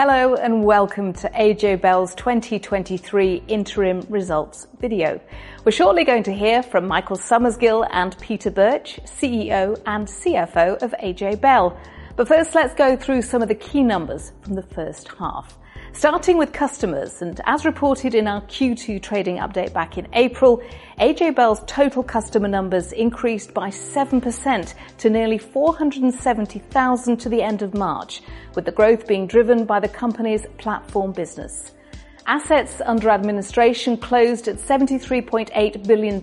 Hello, and welcome to AJ Bell's 2023 interim results video. We're shortly going to hear from Michael Summersgill and Peter Birch, CEO and CFO of AJ Bell. First, let's go through some of the key numbers from the H1. Starting with customers, as reported in our Q2 trading update back in April, AJ Bell's total customer numbers increased by 7% to nearly 470,000 to the end of March, with the growth being driven by the company's platform business. Assets under administration closed at GBP 73.8 billion,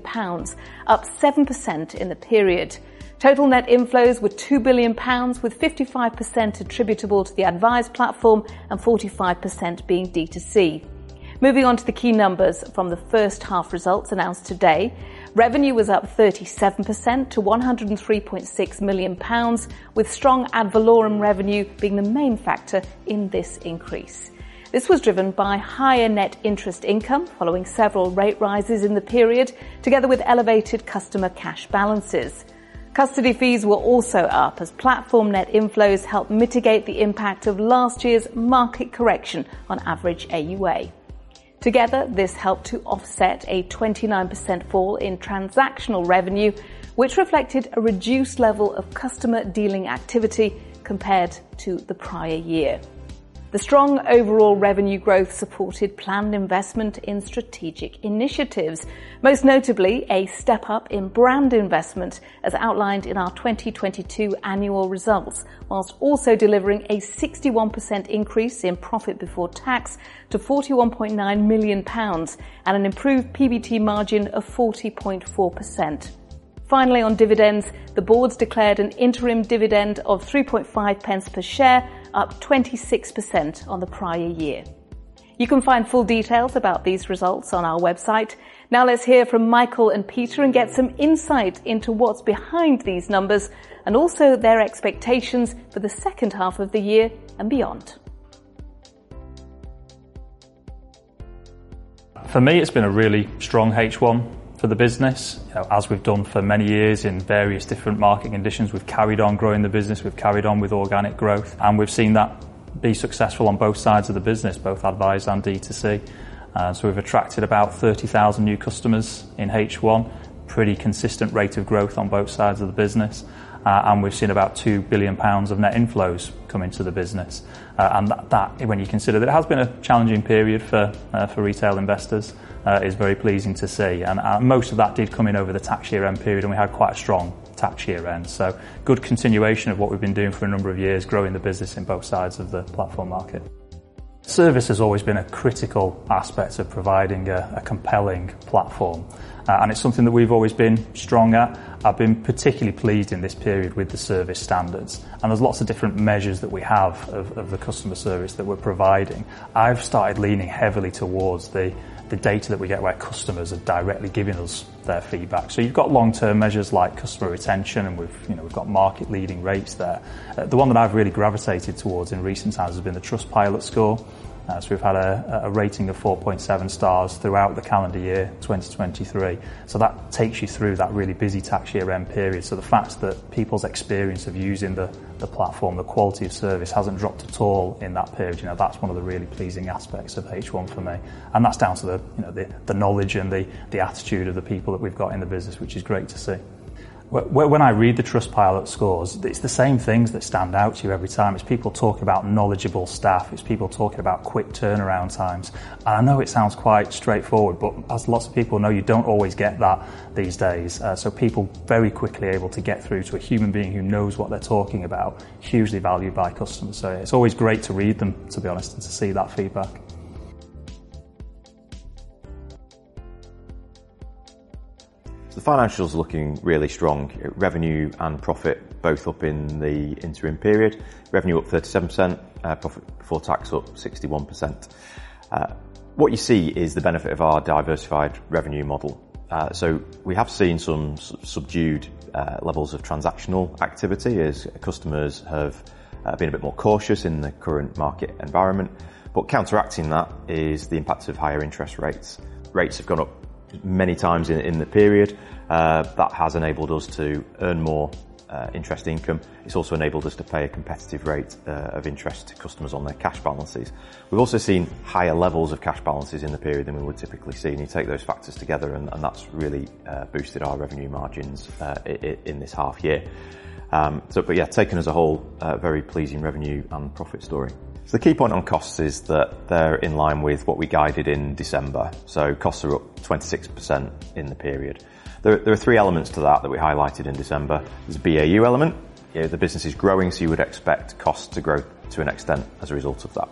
up 7% in the period. Total net inflows were GBP 2 billion, with 55% attributable to the advised platform and 45% being D2C. Moving on to the key numbers from the H1 results announced today, revenue was up 37% to 103.6 million pounds, with strong ad valorem revenue being the main factor in this increase. This was driven by higher net interest income following several rate rises in the period, together with elevated customer cash balances. Custody fees were also up as platform net inflows helped mitigate the impact of last year's market correction on average AUA Together, this helped to offset a 29% fall in transactional revenue, which reflected a reduced level of customer dealing activity compared to the prior year. The strong overall revenue growth supported planned investment in strategic initiatives, most notably a step up in brand investment, as outlined in our 2022 annual results, whilst also delivering a 61% increase in profit before tax to 41.9 million pounds and an improved PBT margin of 40.4%. Finally, on dividends, the boards declared an interim dividend of 3.5 pence per share, up 26% on the prior year. You can find full details about these results on our website. Now, let's hear from Michael and Peter and get some insight into what's behind these numbers, and also their expectations for the second half of the year and beyond. For me, it's been a really strong H1 for the business. As we've done for many years in various different market conditions, we've carried on growing the business, we've carried on with organic growth, and we've seen that be successful on both sides of the business, both advised and D2C. We've attracted about 30,000 new customers in H1. Pretty consistent rate of growth on both sides of the business, and we've seen about 2 billion pounds of net inflows come into the business. That, when you consider that it has been a challenging period for retail investors, is very pleasing to see. Most of that did come in over the tax year end period, and we had quite a strong tax year end. Good continuation of what we've been doing for a number of years, growing the business in both sides of the platform market. Service has always been a critical aspect of providing a compelling platform, and it's something that we've always been strong at. I've been particularly pleased in this period with the service standards, and there's lots of different measures that we have of the customer service that we're providing. I've started leaning heavily towards the data that we get, where customers are directly giving us their feedback. You've got long-term measures like customer retention, and we've, you know, we've got market-leading rates there. The one that I've really gravitated towards in recent times has been the Trustpilot score. We've had a rating of 4.7 stars throughout the calendar year 2023. That takes you through that really busy tax year end period. The fact that people's experience of using the platform, the quality of service, hasn't dropped at all in that period, you know, that's one of the really pleasing aspects of H1 for me, and that's down to the, you know, the knowledge and the attitude of the people that we've got in the business, which is great to see. When I read the Trustpilot scores, it's the same things that stand out to you every time. It's people talking about knowledgeable staff, it's people talking about quick turnaround times. I know it sounds quite straightforward, but as lots of people know, you don't always get that these days. People very quickly are able to get through to a human being who knows what they're talking about, hugely valued by customers. It's always great to read them, to be honest, and to see that feedback. The financials are looking really strong. Revenue and profit both up in the interim period. Revenue up 37%, profit before tax up 61%. What you see is the benefit of our diversified revenue model. We have seen some subdued levels of transactional activity as customers have been a bit more cautious in the current market environment. Counteracting that is the impact of higher interest rates. Rates have gone up many times in the period. That has enabled us to earn more interest income. It's also enabled us to pay a competitive rate of interest to customers on their cash balances. We've also seen higher levels of cash balances in the period than we would typically see. When you take those factors together, and that's really boosted our revenue margins in this 1/2 year. Taken as a whole, a very pleasing revenue and profit story. The key point on costs is that they're in line with what we guided in December, costs are up 26% in the period. There are three elements to that we highlighted in December. There's a BAU element. You know, the business is growing, so you would expect costs to grow to an extent as a result of that.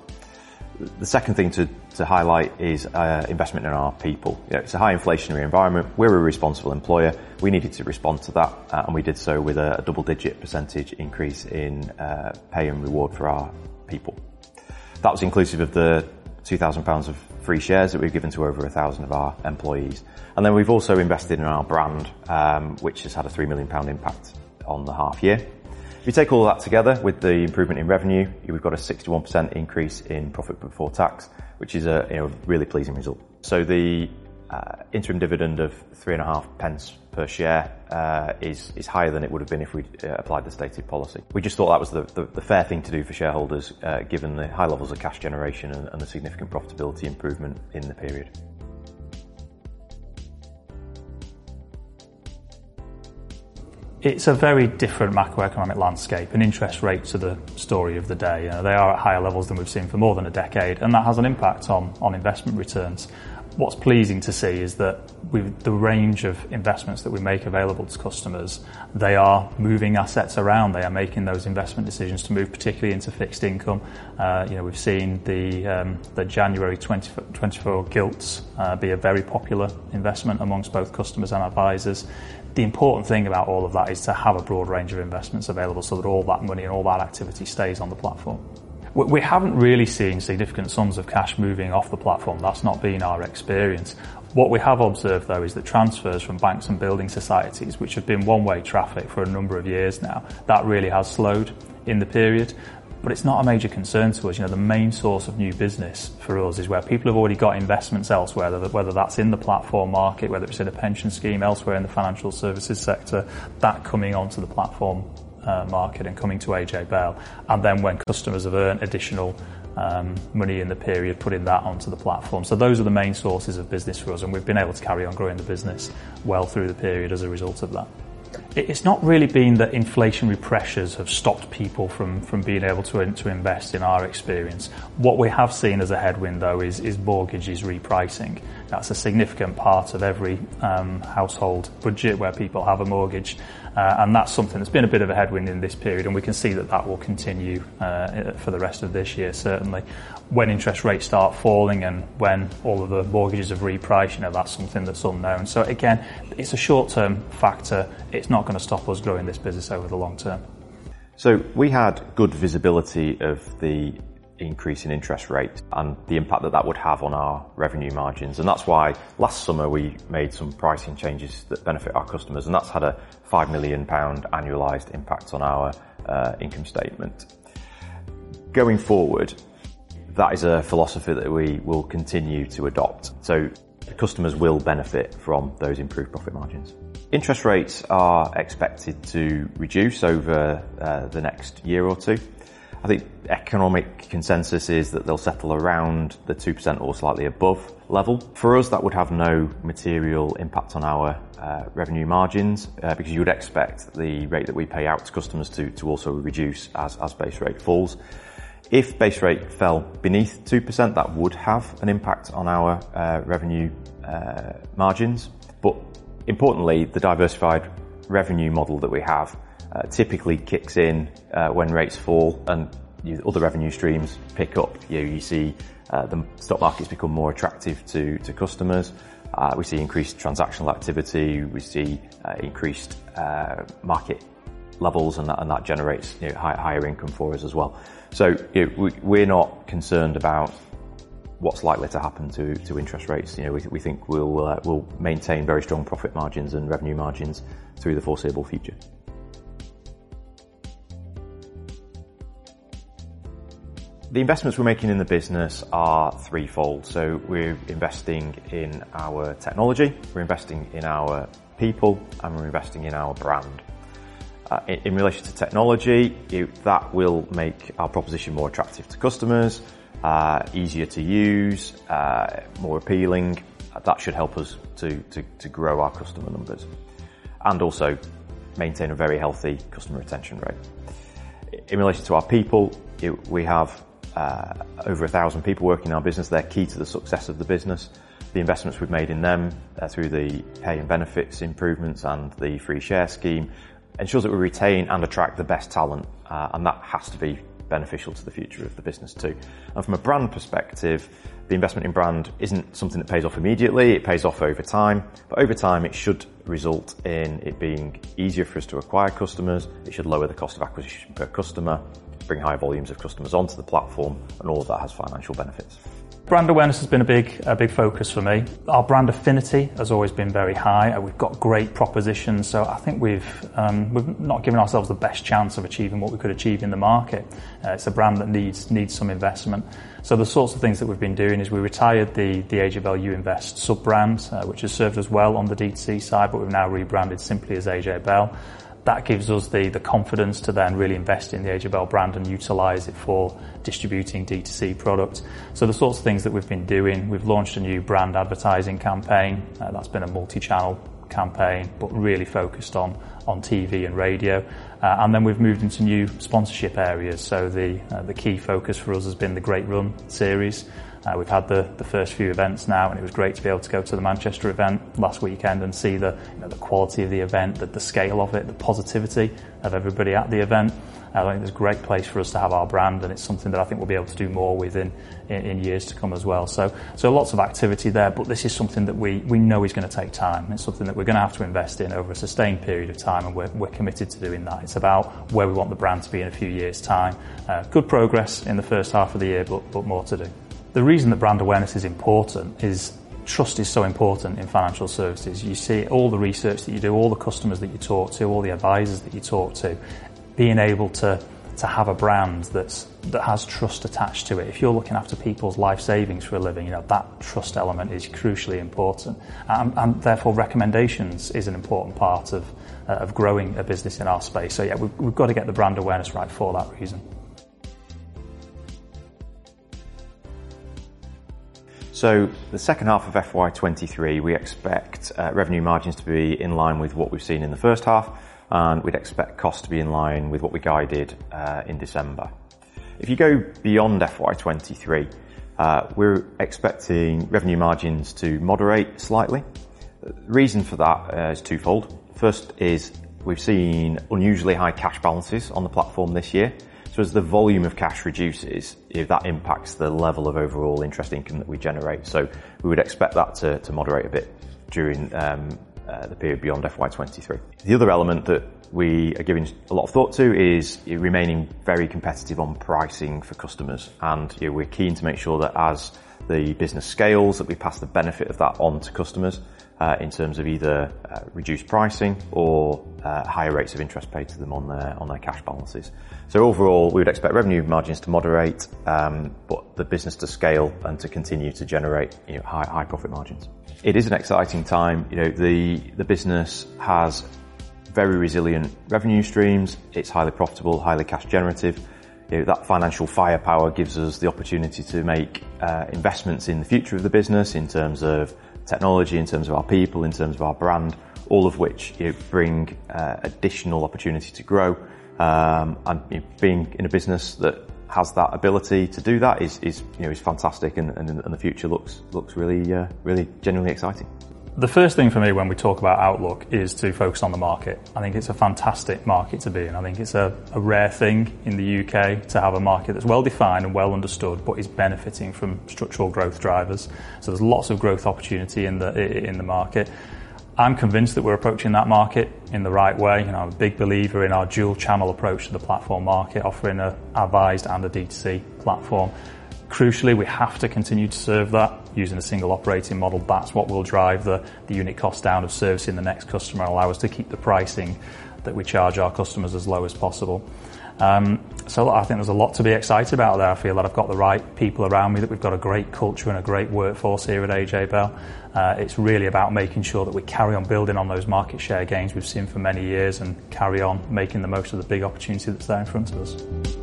The second thing to highlight is investment in our people. You know, it's a high inflationary environment. We're a responsible employer. We needed to respond to that, and we did so with a double-digit % increase in pay and reward for our people. That was inclusive of the 2,000 pounds of free shares that we've given to over 1,000 of our employees. We've also invested in our brand, which has had a 3 million pound impact on the half year. If you take all that together with the improvement in revenue, we've got a 61% increase in profit before tax, which is a really pleasing result.... interim dividend of 3.5 pence per share is higher than it would have been if we'd applied the stated policy. We just thought that was the fair thing to do for shareholders, given the high levels of cash generation and the significant profitability improvement in the period. It's a very different macroeconomic landscape. Interest rates are the story of the day. They are at higher levels than we've seen for more than a decade, and that has an impact on investment returns. What's pleasing to see is that with the range of investments that we make available to customers, they are moving assets around. They are making those investment decisions to move, particularly into fixed income. you know, we've seen the January 2024 Gilts be a very popular investment amongst both customers and advisors. The important thing about all of that is to have a broad range of investments available so that all that money and all that activity stays on the platform. We haven't really seen significant sums of cash moving off the platform. That's not been our experience. What we have observed, though, is the transfers from banks and building societies, which have been one-way traffic for a number of years now, that really has slowed in the period, but it's not a major concern to us. You know, the main source of new business for us is where people have already got investments elsewhere, whether that's in the platform market, whether it's in a pension scheme elsewhere in the financial services sector, that coming onto the platform, market and coming to AJ Bell, and then when customers have earned additional money in the period, putting that onto the platform. Those are the main sources of business for us, and we've been able to carry on growing the business well through the period as a result of that. It's not really been that inflationary pressures have stopped people from being able to invest, in our experience. What we have seen as a headwind, though, is mortgages repricing. That's a significant part of every household budget where people have a mortgage, and that's something that's been a bit of a headwind in this period, and we can see that that will continue for the rest of this year, certainly. When interest rates start falling and when all of the mortgages have repriced, you know, that's something that's unknown. Again, it's a short-term factor. It's not gonna stop us growing this business over the long term. We had good visibility of the increase in interest rate and the impact that that would have on our revenue margins, and that's why last summer we made some pricing changes that benefit our customers, and that's had a 5 million pound annualized impact on our income statement. Going forward, that is a philosophy that we will continue to adopt, so the customers will benefit from those improved profit margins. Interest rates are expected to reduce over the next year or two. I think economic consensus is that they'll settle around the 2% or slightly above level. For us, that would have no material impact on our revenue margins, because you would expect the rate that we pay out to customers to also reduce as base rate falls. If base rate fell beneath 2%, that would have an impact on our revenue margins. Importantly, the diversified revenue model that we have typically kicks in when rates fall and other revenue streams pick up. You know, you see the stock markets become more attractive to customers. We see increased transactional activity. We see increased market levels, and that generates, you know, higher income for us as well. You know, we're not concerned about what's likely to happen to interest rates. You know, we think we'll maintain very strong profit margins and revenue margins through the foreseeable future. The investments we're making in the business are threefold. We're investing in our technology, we're investing in our people, and we're investing in our brand. In, in relation to technology, that will make our proposition more attractive to customers, easier to use, more appealing. That should help us to grow our customer numbers and also maintain a very healthy customer retention rate. In relation to our people, we have over 1,000 people working in our business. They're key to the success of the business. The investments we've made in them, through the pay and benefits improvements and the free share scheme, ensures that we retain and attract the best talent, and that has to be beneficial to the future of the business, too. From a brand perspective, the investment in brand isn't something that pays off immediately. It pays off over time. Over time, it should result in it being easier for us to acquire customers. It should lower the cost of acquisition per customer, bring high volumes of customers onto the platform, and all of that has financial benefits. Brand awareness has been a big focus for me. Our brand affinity has always been very high, and we've got great propositions, so I think we've not given ourselves the best chance of achieving what we could achieve in the market. It's a brand that needs some investment. The sorts of things that we've been doing is we retired the AJ Bell Youinvest sub-brand, which has served us well on the D2C side, but we've now rebranded simply as AJ Bell. That gives us the confidence to then really invest in the AJ Bell brand and utilize it for distributing D2C product. The sorts of things that we've been doing, we've launched a new brand advertising campaign. That's been a multi-channel campaign, but really focused on TV and radio. Then we've moved into new sponsorship areas, so the key focus for us has been the Great Run Series. We've had the first few events now, and it was great to be able to go to the Manchester event last weekend and see you know, the quality of the event, the scale of it, the positivity of everybody at the event. I think it's a great place for us to have our brand, and it's something that I think we'll be able to do more with in years to come as well. Lots of activity there, but this is something that we know is gonna take time. It's something that we're gonna have to invest in over a sustained period of time, and we're committed to doing that. It's about where we want the brand to be in a few years' time. Good progress in the H1 of the year, but more to do. The reason that brand awareness is important is trust is so important in financial services. You see all the research that you do, all the customers that you talk to, all the advisors that you talk to, being able to have a brand that's, that has trust attached to it. If you're looking after people's life savings for a living, you know, that trust element is crucially important. Therefore, recommendations is an important part of growing a business in our space. Yeah, we've got to get the brand awareness right for that reason. The second half of FY23, we expect revenue margins to be in line with what we've seen in the H1, and we'd expect costs to be in line with what we guided in December. If you go beyond FY23, we're expecting revenue margins to moderate slightly. The reason for that is twofold. First is we've seen unusually high cash balances on the platform this year. As the volume of cash reduces, if that impacts the level of overall interest income that we generate. We would expect that to moderate a bit during the period beyond FY23. The other element that we are giving a lot of thought to is remaining very competitive on pricing for customers, and we're keen to make sure that as the business scales, that we pass the benefit of that on to customers in terms of either reduced pricing or higher rates of interest paid to them on their cash balances. Overall, we would expect revenue margins to moderate, but the business to scale and to continue to generate, you know, high profit margins. It is an exciting time. You know, the business has very resilient revenue streams. It's highly profitable, highly cash generative. You know, that financial firepower gives us the opportunity to make investments in the future of the business in terms of technology, in terms of our people, in terms of our brand, all of which, you know, bring additional opportunity to grow. You know, being in a business that has that ability to do that is, you know, is fantastic, and the future looks really genuinely exciting. The first thing for me when we talk about outlook is to focus on the market. I think it's a fantastic market to be in. I think it's a rare thing in the UK to have a market that's well-defined and well-understood but is benefiting from structural growth drivers. There's lots of growth opportunity in the market. I'm convinced that we're approaching that market in the right way, and I'm a big believer in our dual channel approach to the platform market, offering an advised and a DTC platform. Crucially, we have to continue to serve that using a single operating model. That's what will drive the unit cost down of servicing the next customer and allow us to keep the pricing that we charge our customers as low as possible. I think there's a lot to be excited about there. I feel that I've got the right people around me, that we've got a great culture and a great workforce here at AJ Bell. It's really about making sure that we carry on building on those market share gains we've seen for many years and carry on making the most of the big opportunity that's there in front of us.